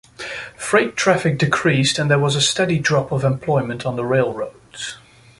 Freight traffic decreased and there was a steady drop of employment on the railroads.